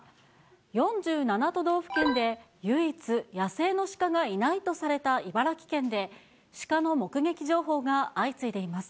４７都道府県で唯一野生のシカがいないとされた茨城県で、シカの目撃情報が相次いでいます。